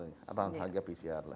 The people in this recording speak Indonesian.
around harga pcr lah